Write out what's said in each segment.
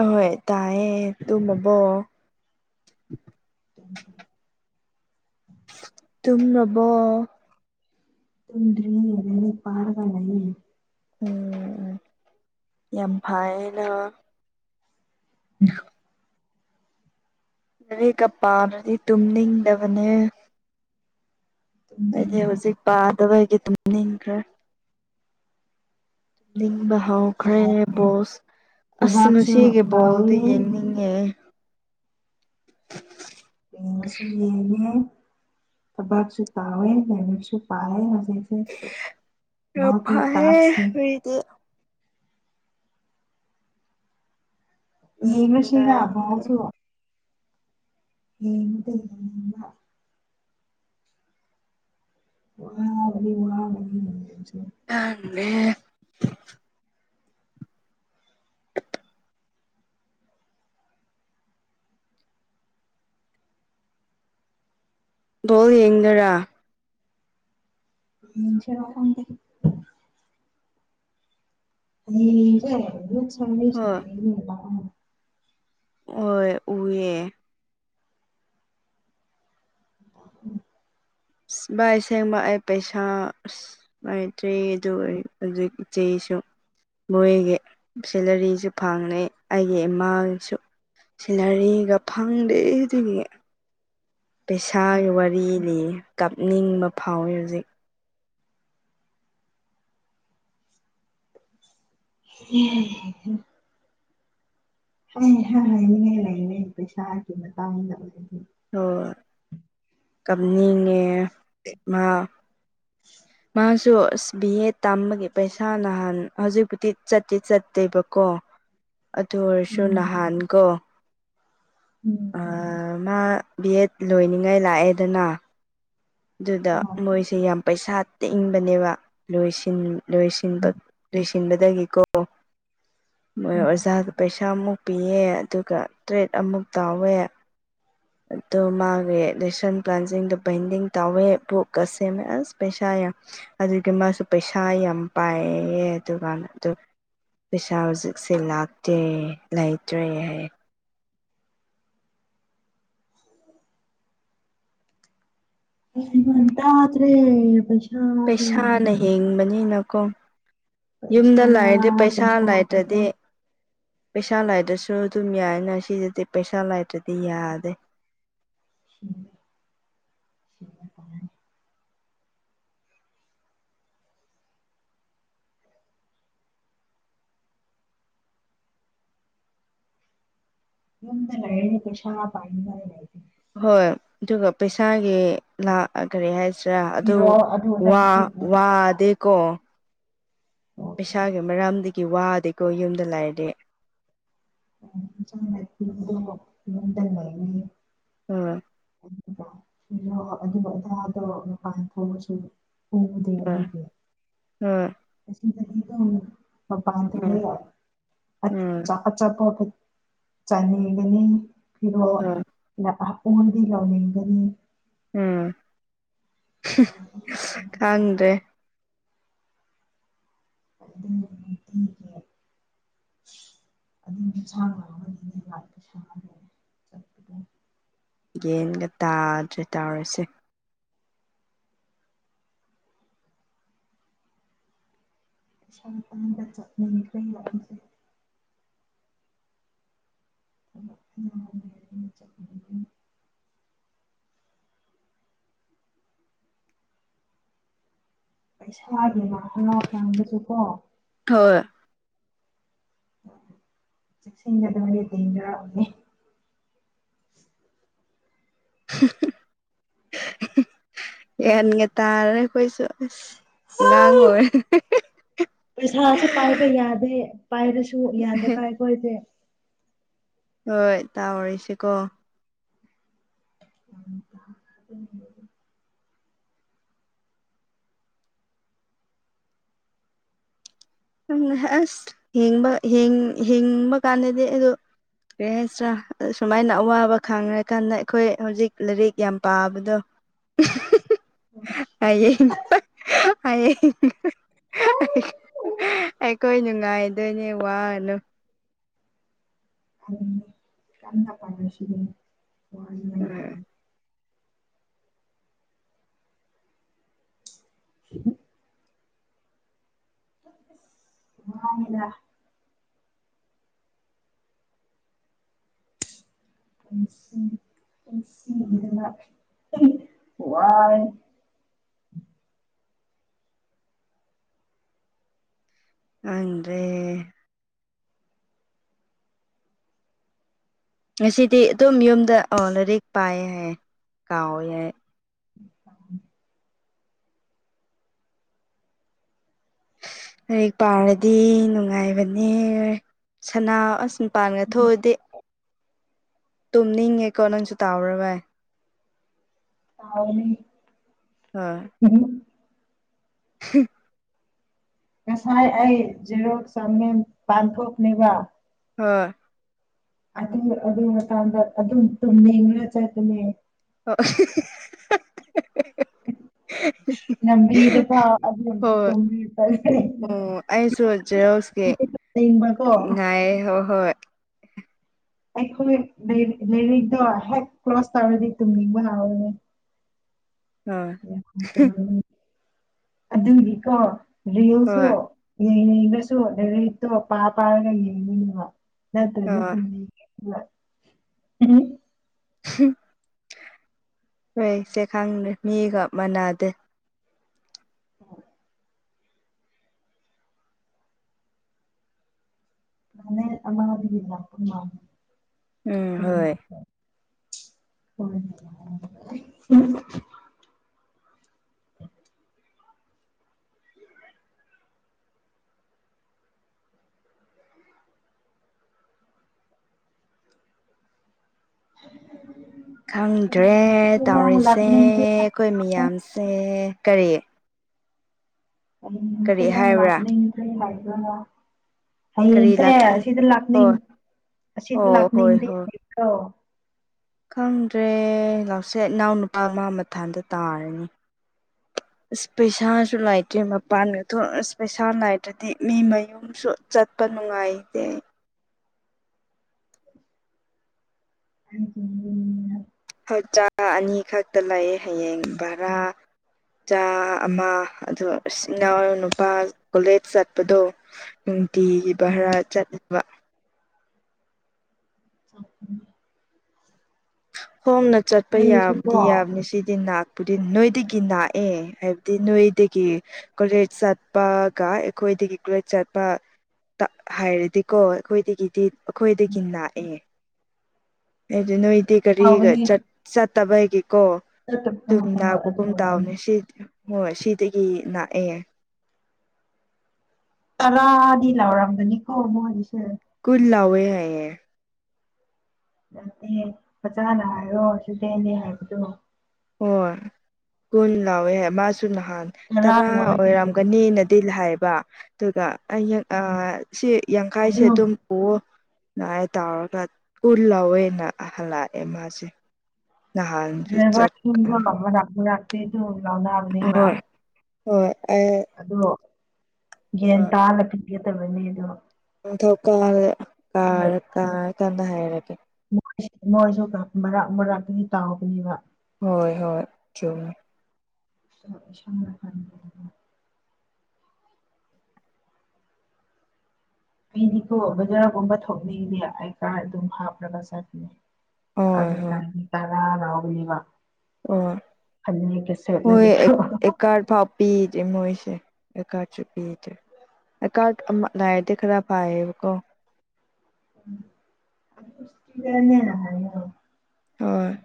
ꯑꯍꯣꯏ ꯇꯌꯦ ꯇꯨ ꯃꯕꯣ ꯇꯨꯝꯅꯕ ꯇꯟ꯭ꯔꯤ ꯅꯅꯤ ꯄꯔꯋꯥ ꯂꯩ ꯎꯝ ꯎ ꯌꯥꯝ ꯐꯥꯏꯅ ꯃꯔꯤꯒ ꯄꯥꯅꯗꯤ ꯇꯨꯝꯅꯤꯡꯗꯕꯅꯦ ꯑꯩꯗꯤ ꯇꯨꯝꯅꯤꯡꯗꯦ ꯍꯧꯖꯤꯛ ꯄꯥꯗꯕꯒꯤ ꯇꯨꯝꯅꯤꯡꯈ꯭ꯔꯦ ꯇꯨꯝꯅꯤꯡꯕ ꯍꯧꯈ꯭ꯔꯦ ꯇꯥꯎ ꯕꯣꯁ ꯑꯁ ꯊꯕꯥꯛꯁꯨ ꯉꯒꯤ ꯕꯣꯜꯗꯤ ꯇꯧꯋꯦ ꯌꯦꯡꯅꯤꯡ ꯎ ꯌꯦꯉꯁꯨ ꯌꯦꯡꯉꯦ ꯊꯕꯥꯛꯁꯨ ꯇꯥꯎꯋꯦ ꯂꯥꯏꯃꯤꯠꯁꯨ ꯄꯥꯏ ꯍꯧꯖꯤꯛ ꯃꯍꯣꯠꯇ ꯇꯥꯛꯁꯅꯤ ꯇ ꯌꯥꯝ ꯌꯦꯒꯁꯤꯔ ꯅꯨꯡꯉꯥꯏꯌꯦ ꯥꯎꯁꯨ ꯍꯉꯗꯤ ꯋꯥꯕ ꯋꯥ ꯑꯅꯦ ꯗꯣꯜ ꯌꯦꯡꯗꯔꯥ ꯃꯆꯦꯔꯕꯦ ꯑꯩ ꯌꯥꯔꯦ ꯆ ꯍꯣꯏ ꯍꯣꯏ ꯎꯋꯦ ꯑ ꯕꯥꯥꯏ ꯁꯦꯡꯕ ꯑꯩ ꯄꯩꯁꯥ ꯥꯏꯇ꯭ꯦ ꯑꯗꯨ ꯍꯧꯖꯤꯛ ꯏꯆꯦꯁꯨ ꯃꯣꯏꯒꯤ ꯁꯦꯂꯔꯤꯁꯨ ꯐꯪꯅꯩ ꯑꯩꯒꯤ ꯏꯃꯥꯁꯨ ꯁꯤꯂꯔꯤꯒ ꯐꯪꯗꯦ ꯑꯗꯨꯗꯤ ꯄꯩꯁꯥꯒꯤ ꯋꯥꯔꯤ ꯂꯤ ꯀꯞꯅꯤꯡꯕ ꯐꯥꯎꯋꯤ ꯍꯧꯖꯤꯛ ꯎꯝ ꯍꯥꯏ ꯂꯩꯅꯦ ꯄꯩꯁꯥ ꯍꯥꯏꯒꯤ ꯃꯇꯥꯡꯗꯕ ꯑꯣ ꯀꯞꯅꯤꯡꯉꯦ ꯃꯥ ꯃꯥ ꯁꯣꯔꯁ ꯕꯤ ꯑꯦ ꯇꯝꯕꯒꯤ ꯄꯩꯁꯥ ꯅꯍꯥꯟ ꯍꯧꯖꯤꯛꯄꯨꯗꯤ ꯆꯠꯇꯤ ꯆꯠꯇꯦꯕꯀꯣ ꯑꯗꯨ ꯑꯣꯏꯔꯁꯨ ꯎꯝ ꯅꯍꯥꯟꯒꯣ ꯎꯝ ꯃꯥ ꯕꯤ ꯑꯦꯠ ꯂꯣꯏꯅꯤꯡꯉꯥꯏ ꯂꯥꯛꯑꯦꯗꯅ ꯑꯗꯨꯗ ꯍꯣ ꯃꯣꯏꯁꯦ ꯌꯥꯝ ꯄꯩꯁꯥ ꯇꯛꯅꯤꯡꯕꯅꯦꯕ ꯂꯣꯏꯁꯤꯟ ꯂꯟꯕ ꯎꯝ ꯂꯣꯏꯁꯤꯟꯕꯗꯒꯤꯀꯣ ꯃꯣꯏ ꯑꯁ ꯑꯣꯖꯥꯗ ꯄꯩꯁꯥꯃꯨꯛ ꯄꯤꯌꯦ ꯑꯗꯨꯒ ꯇ꯭ꯔꯦꯠ ꯑꯃꯨꯛ ꯇꯥꯎꯋꯦ ꯑꯗ ꯃꯥꯒꯤ ꯔꯦꯁꯟ ꯄ꯭ꯂꯥꯟꯁꯤꯡꯗꯣ ꯄꯦꯟꯗꯤꯡ ꯇꯧꯋꯦ ꯣꯛꯀ ꯁꯦꯝꯃꯦ ꯑꯁ ꯄꯩꯁꯥ ꯌꯥꯝ ꯑꯗꯨꯒꯤ ꯃꯥꯁꯨ ꯄꯩꯁꯥ ꯌꯥꯝ ꯄꯥꯏꯌꯦ ꯑꯗꯨꯒꯀꯥꯟꯅ ꯑꯗꯨ ꯄꯩꯁꯥ ꯍꯧꯖꯤꯛꯁꯦ ꯂꯥꯛꯇꯦ ꯂꯩꯇ꯭ꯔꯦ ꯍꯥꯏ ꯎꯝ ꯃꯟ ꯇꯗ꯭ꯔꯦ ꯄꯩꯁꯥꯅ ꯍꯤꯡꯕꯅꯤꯅꯀꯣ ꯄꯩꯁꯥ ꯌꯨꯝꯗ ꯂꯩꯥꯏꯔꯗꯤ ꯄꯩꯁꯥ ꯂꯥꯏꯇ꯭ꯔꯗꯤ ꯄꯩꯁꯥ ꯂꯥꯏꯗꯁꯨ ꯑꯗꯨꯝ ꯌꯥꯏꯅ ꯁꯤꯁꯤꯗꯤ ꯄꯩꯁꯥ ꯂꯥꯏꯗꯗꯤ ꯌꯥꯗꯦ ꯎꯝ ꯌꯗ ꯂ ꯀꯩꯁꯥ ꯄꯥꯏ ꯃꯔꯔ ꯌꯥꯦ ꯍꯣꯏ ꯑꯗꯨꯒ ꯄꯩꯁꯥꯒꯤ ꯂꯥ ꯀꯔꯤ ꯍꯥꯏꯁꯤꯔꯥ ꯑꯗꯨ ꯐꯤꯔꯣꯜ ꯑꯗꯨ ꯑꯗꯥꯒꯤꯗꯤ ꯋꯥꯗꯦꯀꯣ ꯄꯩꯁꯥꯒꯤ ꯃꯔꯝꯗꯒꯤ ꯋꯥꯗꯦꯀꯣ ꯌꯨꯝꯗ ꯂꯥꯏꯔꯗꯤ ꯆꯗꯅꯤ ꯎꯝ ꯑꯗꯨꯒꯔ ꯑꯗꯨ ꯑꯗꯥꯥ ꯇꯧꯔ ꯃꯄꯥꯟ ꯊꯣꯛꯕꯁꯨ ꯎꯗꯦ ꯎꯝ ꯑꯗꯨꯒꯤ ꯎꯝ ꯎꯝ ꯄꯗꯔꯦ ꯎꯝ ꯑꯆꯥꯄꯣ ꯆꯥꯅꯤꯡꯒꯅꯤ ꯐꯤꯔꯣ ꯎꯝ ꯂꯄꯥ ꯄꯨꯡꯗꯤ ꯂꯧꯅꯤꯡꯒꯅꯤ ꯎꯝ ꯈꯪꯗꯦ ꯅꯨꯡꯇꯤꯒꯤ ꯑꯗꯨ ꯁꯥ ꯉꯥꯡ ꯑꯃꯅꯤ [inaudible] ꯌꯦꯟꯒ ꯇꯥꯗ꯭ꯔꯦ ꯇꯥꯔꯁꯦ ꯆꯠꯈ꯭ꯔ ꯂꯥꯛꯁꯦ ꯎꯝ ꯄꯩꯁꯥꯒꯤ ꯉ ꯍꯥꯎ ꯀꯥꯡꯥꯡꯕꯁꯨ ꯀꯣ ꯍꯣꯏ ꯆꯦꯛꯁꯤꯟꯒꯗ ꯃꯅꯤ ꯇꯦꯡꯗꯔꯑꯅꯦ ꯌꯥꯒꯟꯒ ꯇꯥꯔꯦ ꯑꯩꯈꯣꯏꯁꯨ ꯉꯥꯡꯉ ꯑꯣꯏꯔꯦ ꯍꯥꯏꯕ ꯌꯥꯗꯦ ꯄꯥꯏꯔꯁꯨ ꯌꯥꯗꯦ ꯄꯥꯏ ꯑꯩꯈꯣꯏꯁꯦ ꯍꯣꯏ ꯇꯥ ꯑꯣꯏꯔꯤꯁꯤꯀꯣ ꯑ ꯑꯗꯨ ꯪ ꯑꯁꯕ ꯍꯡꯕ ꯀꯥꯟꯗꯗꯤ ꯑꯗꯣ ꯄꯁ꯭ꯔ ꯁꯨꯃꯥꯏꯅ ꯑꯋꯥꯕ ꯈꯥꯡꯅ꯭ꯔꯀꯥꯟꯗ ꯑꯩꯈꯣꯏ ꯍꯧꯖꯤꯛ ꯂꯥꯏꯔꯤꯛ ꯌꯥꯝ ꯄꯥꯕꯗꯣ [inaudible] ꯑꯩꯌꯦ ꯑꯩꯈꯣꯏ ꯅꯨꯡꯉꯥꯏꯗꯣꯏꯅꯦ ꯋꯥꯅꯨ ꯌꯥꯝꯅ ꯄꯥꯟꯅꯁꯤꯅꯤ ꯋꯥꯅꯤꯡꯉꯥꯏ ꯂꯩꯗꯤ ꯎ ꯃꯥꯅ ꯟꯟꯁꯤ ꯍꯥꯏ [unintelligible] ꯑꯦ ꯉꯁꯤꯗꯤ ꯑꯗꯨꯝ ꯌꯨꯝꯗ ꯑ ꯂꯥꯏꯔꯤꯛ ꯄꯥꯏꯌꯦ ꯍꯥꯏ ꯀꯥꯎꯋꯦ ꯍꯥꯏ [inaudible] ꯂꯥꯏꯔꯤꯛ ꯄꯥꯔꯗꯤ ꯅꯨꯡꯉꯥꯏꯕꯅꯦꯅꯥ ꯄꯥꯟꯒ ꯊꯣꯛꯑꯗꯤ ꯇꯨꯝꯅꯤꯡꯉꯦꯀꯣ ꯅꯪꯁꯨ ꯇꯥꯎꯔꯕꯏ ꯇꯥꯎꯅꯤ ꯍ ꯎꯝ ꯎ ꯉꯁꯥꯏ ꯑꯩ ꯖꯦꯔꯣꯛ ꯆꯃꯤꯦꯟ ꯄꯥꯟꯊꯣꯛꯂꯤꯕ ꯍ ꯑꯗꯨ ꯑꯗꯨ ꯃꯇꯗ ꯑꯗꯨꯝ ꯇꯨꯝꯅꯤ ꯉꯔ ꯆ ꯑꯗꯨꯅꯦ ꯍ ꯉꯝꯕꯤꯔ ꯐ ꯇ ꯏ ꯁꯣꯦꯀꯤ ꯅ ꯑ ꯍꯣꯏ ꯍꯣꯏ ꯑꯩꯈꯣꯏꯔꯤ ꯂꯔꯤꯗꯣ ꯍꯦꯛ ꯀ꯭ꯂꯣꯁ ꯇꯧꯔꯗꯤ ꯇꯨꯝꯅꯤꯡꯕ ꯍꯥꯎꯔꯅꯦ ꯎꯝ ꯑꯗꯨꯗꯤꯀꯣ ꯔꯤꯌꯣꯁꯨ ꯍꯣꯏ ꯌꯦꯡꯉꯉꯁꯨ ꯔꯔꯤꯠꯇꯣ ꯄꯥ ꯄꯥꯔꯒ ꯌꯦꯡꯉꯅꯦꯕ ꯅꯠꯇ꯭ꯔꯗꯤ ꯍꯣꯏ ꯇꯨꯝꯃꯤ ꯎꯝ ꯍꯣꯏ ꯁꯦ ꯈꯪꯗꯦ ꯃꯤꯒ ꯃꯥꯟꯅꯗꯦ ꯎ ꯑꯅꯦ ꯑꯃ ꯃꯔꯤ ꯑꯃ ꯎꯝ ꯍꯣꯏ ꯍ ꯎꯝ [inaudible] ꯈꯪꯗ꯭ꯔꯦ ꯅꯪ ꯇꯧꯔꯤꯁꯦ ꯂꯥꯛꯅꯤꯡꯗꯦ ꯑꯩꯈꯣꯏ ꯍꯥꯏꯕ꯭ꯔꯣ ꯃꯤꯌꯥꯝꯁꯦ ꯀꯔꯤ ꯑꯩꯁꯦ ꯀꯔꯤ ꯅꯪ ꯍꯥꯏꯕ꯭ꯔꯥ ꯂꯥꯛꯈ ꯂꯥꯏꯕꯣ ꯀꯔꯤ ꯍꯌꯦꯡꯁꯦ ꯂꯥꯛꯅꯤꯡ ꯑꯁꯤꯗ ꯂꯥꯛꯅꯤꯡ ꯍꯣꯏ ꯑꯁꯤꯗ ꯑꯣ ꯍꯣꯏ ꯂꯥꯛꯅꯤꯡꯗꯦꯡ ꯍꯣꯏ ꯈꯪꯗ꯭ꯔꯦ ꯂꯥꯎꯆꯦꯠ ꯏꯅꯥꯎ ꯅꯨꯄꯥ ꯃꯥ ꯃꯊꯥꯗ ꯇꯥꯔꯅꯤ ꯏꯁ ꯄꯩꯁꯥꯁꯨ ꯂꯩꯥꯏꯇ꯭ꯔꯦ ꯃꯄꯥꯟꯒ ꯑ ꯄꯩꯁꯥ ꯂꯥꯏꯔ꯭ꯔꯗꯤ ꯃꯤ ꯃꯌꯨꯝ ꯁꯨ ꯆꯠꯄ ꯅꯨꯡꯉꯥꯏꯇꯦ ꯍꯥꯏ ꯍꯆꯥ ꯑꯅꯤ ꯈꯛꯇ ꯂꯩ ꯍꯌꯦꯡ ꯚꯔꯥ ꯆꯥ ꯑꯃ ꯑ ꯏ ꯏꯅꯥꯎ ꯅꯨꯄꯥ ꯀꯣꯂꯦꯖ ꯆꯠꯄꯗꯣ ꯅꯨꯡꯇꯤꯒꯤ ꯚꯔꯥ ꯆꯠꯂꯕ [inaudible] ꯍꯣꯝꯅ ꯆꯠꯄ ꯑꯩꯁꯨꯀꯣ ꯌꯥꯗꯤ ꯌꯥꯕꯅꯤ ꯁꯤꯗꯤ ꯅꯥꯛ ꯗꯤ ꯅꯣꯏꯗꯒꯤ ꯥꯛꯑꯦ ꯍꯥꯏꯕꯗꯤ ꯅꯣꯏꯗꯒꯤ ꯀꯣꯂꯦꯖ ꯆꯠꯄꯒ ꯑꯩꯈꯣꯏꯗꯒꯤ ꯀꯣꯂꯦꯖ ꯆꯠꯄ ꯍꯥꯏꯔꯗꯤꯀꯣ ꯑꯩꯈꯣꯏꯗꯒꯤꯗꯤ ꯑꯩꯈꯣꯏꯗꯒꯤ ꯥꯛꯑꯦ ꯑꯩꯗꯤ ꯅꯣꯏꯗꯤ ꯀꯔꯤꯒ ꯇꯧꯕꯅꯦ ꯆꯠꯇꯕꯒꯦꯀꯣ ꯆꯠꯇꯕ ꯑꯗꯨꯝ ꯍꯣꯏ ꯑꯗꯨ ꯥꯛꯄꯒꯨꯝ ꯑꯣꯏꯔꯅꯤ ꯇꯥꯎꯅꯦ ꯁꯤ ꯍꯣꯏ ꯁꯤꯗꯒꯤ ꯂꯥꯛꯑꯦ ꯇꯔꯥꯗꯤ ꯂꯥꯎꯔꯝꯕꯅꯤꯀꯣ ꯃꯣꯗꯤꯁꯦ ꯀꯨꯜ ꯂꯑꯣꯦ ꯌꯥꯌꯦꯦ ꯐꯖꯥꯅ ꯍꯥꯏꯔꯣ ꯁꯤꯗꯦꯅꯦ ꯍꯥꯏꯕꯗꯣ ꯍꯣꯏ ꯀꯨꯟ ꯂꯥꯎꯋꯦ ꯃꯥꯁꯨ ꯅꯍꯥꯟ ꯇꯔꯥ ꯑꯣꯏꯔꯝ ꯇꯒꯅꯤꯅꯗꯤ ꯂꯌꯦꯕ ꯑꯗꯨꯒ ꯎꯝ ꯁꯤ ꯌꯥꯡꯈꯥꯏꯁꯦ ꯑꯗꯨꯝ ꯑꯣ ꯑꯗꯨꯥꯏ ꯇꯧꯔꯒ ꯎꯜꯍꯧꯋꯦꯅ ꯍꯜꯂꯛꯑꯦ ꯃꯥꯁꯦ ꯅꯍꯥꯟꯁꯨ ꯆꯠ ꯊꯨꯡ ꯂꯥꯛꯀ ꯂꯥꯛꯇꯩ ꯇ ꯂꯥꯎꯅꯅꯤꯕ ꯍꯣꯏ ꯍꯣꯏ ꯑꯗꯣ ꯌꯦꯟ ꯇꯥꯅ ꯄꯤꯒꯗꯕꯅꯤ ꯑꯗꯣ ꯅꯤꯡꯊꯧ ꯀꯥ ꯀꯥꯔ ꯀꯥꯔꯀꯥꯟꯗ ꯍꯥꯏꯔꯒꯦ ꯣꯏ ꯃꯣꯏꯁꯨ ꯃꯔꯥꯛ ꯃꯔꯥꯛꯇꯨꯒꯤ ꯇꯥꯎꯕꯅꯦꯕ ꯍꯣꯏ ꯍꯣꯏ ꯆꯨꯝ ꯁꯥꯅ ꯐꯥꯟ ꯑꯩꯗꯤꯀꯣ ꯕꯖꯔꯥꯒꯨꯝꯕ ꯊꯣꯛꯅꯤꯡꯗꯦ ꯑꯩ ꯀꯥꯔ ꯑꯗꯨꯝ ꯍꯥꯞꯂꯒ ꯆꯠꯈꯤꯅꯦ ꯍꯣꯏ ꯑꯗꯨ ꯇ ꯍꯣꯏ ꯇꯔꯥ ꯂꯒ ꯏ ꯋꯥ ꯍꯣꯏ ꯐ ꯀꯁꯦꯅꯣ ꯀꯥꯔ ꯐꯥꯎ ꯄꯤꯗꯦ ꯃꯣꯏꯁꯦ ꯀꯥꯔꯁꯨ ꯄꯤꯗꯦ ꯀꯔ ꯂꯥꯏꯇ ꯈꯔ ꯄꯥꯑꯀꯣ [unintelligible] ꯍꯣꯏ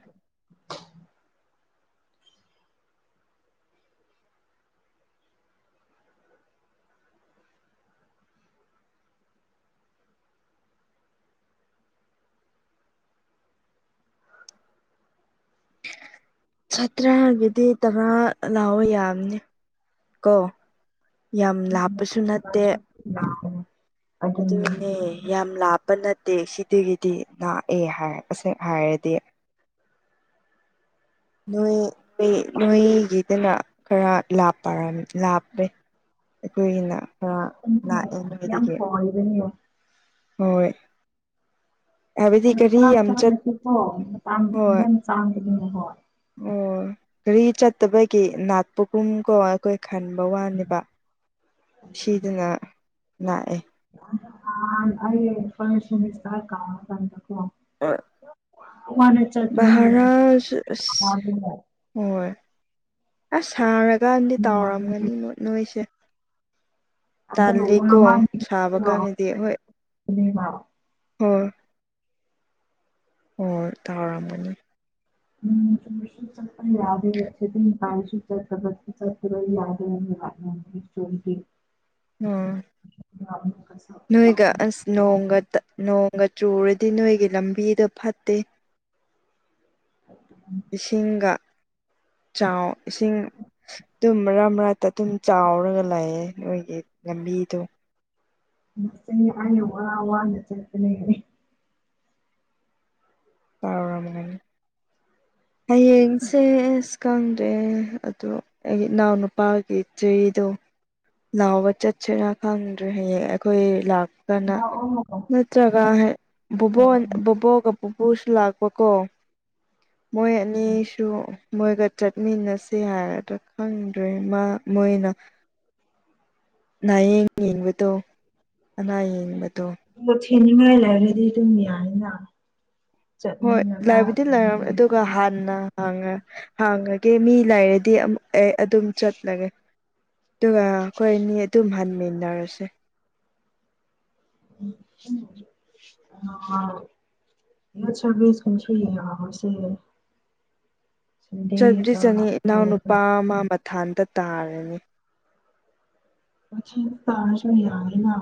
ꯁꯥꯠꯇ꯭ꯔꯥꯒꯤꯗꯤ ꯇꯔꯥ ꯂꯥꯛꯑꯣ ꯌꯥꯝꯕꯅꯤ ꯀꯣ ꯌꯥꯝ ꯂꯥꯞꯄꯁꯨ ꯅꯠꯇꯦ ꯂꯥꯛꯑꯣ ꯑꯗꯨꯅꯦ ꯌꯥꯝ ꯂꯥꯞꯄ ꯅꯠꯇꯦ ꯁꯤꯗꯒꯤꯗꯤ ꯂꯥꯛꯑꯦ ꯍꯥꯏ ꯑꯁ ꯍꯥꯏꯔꯗꯤ ꯅꯣꯏ ꯅꯣꯏ ꯅꯣꯏꯒꯤꯗꯅ ꯈꯔ ꯂꯥꯞꯄꯔꯝꯃꯤ ꯂꯥꯞꯂꯦ ꯑꯩꯈꯣꯏꯒꯤꯅ ꯈ ꯂꯥꯛꯑꯦ ꯅꯨꯗꯒꯤ ꯑꯣꯏꯗꯅꯤ ꯍꯣꯏ ꯍꯥꯏꯕꯗꯤ ꯒꯥꯔꯤ ꯆꯥ ꯌꯥꯝ ꯆꯠ ꯆꯥꯂꯁꯤ ꯍꯣ ꯃꯇꯝ ꯍꯣꯏ ꯌꯥꯝꯦꯝ ꯆꯥꯡꯗꯒꯤꯅꯦ ꯍꯣꯏ ꯑꯣ ꯒꯥꯔꯤ ꯆꯠꯇꯕꯒꯤ ꯅꯥꯠꯄꯒꯨꯝ ꯀꯣ ꯑꯩꯈꯣꯏ ꯈꯟꯕ ꯋꯥꯅꯦꯕ ꯁꯤꯗꯅ ꯂꯥꯛꯑꯦ ꯑꯩꯦ ꯐꯁꯁꯇꯔ ꯀꯥ ꯀꯀ ꯋꯥꯅꯦ ꯥꯔꯥ ꯋꯥꯗꯣ ꯍꯣꯏ ꯑꯁ ꯁꯥꯔꯀꯥꯟꯗꯤ ꯇꯥꯎꯔꯝꯒꯅꯤ ꯅꯣꯏ ꯅꯣꯏꯁꯦ ꯑꯗꯨꯒ ꯋꯥ ꯇꯥꯜꯂꯤꯀꯣ ꯁꯥꯕ ꯀꯥꯟꯗꯗꯤ ꯍꯣꯏ ꯄꯨꯕ ꯍ ꯍꯣꯏ ꯇꯥꯔꯝꯕꯅꯤ ꯎꯝ ꯆ ꯆ ꯌꯥꯗꯦꯁ ꯆꯁꯤ ꯎ ꯆ ꯐ ꯄꯨꯔ ꯌꯥꯗ ꯆꯔꯤ ꯎ ꯅꯣꯏꯒ ꯑꯁ ꯅꯣꯡꯒ ꯅꯣꯡꯒ ꯆꯨꯔꯗꯤ ꯅꯣꯏꯒꯤ ꯂꯝꯕꯤꯗꯣ ꯐꯠꯇꯦ ꯏꯁꯤꯡꯒ ꯆꯥꯎ ꯏꯁꯤꯡ ꯑꯗꯨꯝ ꯃꯔꯥ ꯃꯔꯠꯇ ꯑꯗꯨꯝ ꯆꯥꯎꯔꯒ ꯂꯩꯌꯦ ꯅꯣꯏꯒꯤ ꯂꯝꯕꯤꯗꯣ ꯁ ꯍꯥꯏ ꯋꯥ ꯋꯥꯅ ꯆꯦꯄꯅꯦꯅꯤ [inaudible] ꯐꯔꯕꯅꯦ [unintelligible] ꯍꯌꯦꯡꯁꯦ ꯑꯁ ꯈꯪꯗ꯭ꯔꯦ ꯑꯗꯣ ꯑꯩꯒꯤ ꯏꯅꯥꯎꯅꯨꯄꯥꯒꯤ ꯖꯦꯗꯣ ꯂꯥꯎꯕ ꯆꯠꯁꯤꯔꯥ ꯈꯪꯗ꯭ꯔꯦ ꯍꯌꯦꯡ ꯑꯩꯈꯣꯏ ꯂ ꯅ ꯅꯠꯇ꯭ꯔꯒ ꯕꯣꯕꯣ ꯕꯨꯕꯣꯛꯒ ꯄꯨꯁꯨ ꯂꯥꯛꯄꯀꯣ ꯃꯣꯏ ꯑꯅꯤꯁꯨ ꯃꯣꯏꯒ ꯆꯠꯃꯤꯟꯅꯁꯤ ꯍꯥꯏꯔꯒ ꯈꯪꯗ꯭ꯔꯦ ꯃꯥ ꯃꯣꯏꯅ ꯅꯥꯌꯦꯡ ꯌꯦꯡꯕꯗꯣ ꯑꯅꯥꯌꯦꯡꯕꯗꯣ ꯊꯤꯅꯤꯡꯉꯥꯏ ꯂꯩꯔꯗꯤ ꯑꯗꯨꯝ ꯌꯥꯏꯅ ꯍꯣꯏ ꯆꯠꯃꯤꯟꯅꯕ ꯂꯥꯏꯕꯗꯤ ꯂꯩꯔꯝꯃꯦ ꯑꯗꯒꯤ ꯑꯗꯨꯒ ꯍꯥꯟꯅ ꯍꯥꯡꯉ ꯍꯥꯡꯉꯒꯦ ꯃꯤ ꯂꯥꯏꯔꯗꯤ ꯑꯩ ꯑꯗꯨꯝ ꯆꯠꯂꯒꯦ ꯑꯗꯨꯒ ꯑꯩꯈꯣꯏ ꯑꯅꯤ ꯑꯗꯨꯝ ꯍꯟꯃꯤꯟꯅꯔꯁꯦ ꯎꯝ ꯑꯠꯁ ꯁ ꯀꯁꯨꯨꯁꯦ [inaudible] ꯆꯠꯕꯨꯗꯤ ꯆꯠꯅꯤ ꯏꯅꯥꯎꯅꯨꯄꯥ ꯃꯥ ꯃꯊꯥꯟꯗ ꯇꯥꯔꯅꯤ ꯃꯊꯥꯟꯇ ꯇꯥꯔꯁꯨ ꯌꯥꯗꯦꯅ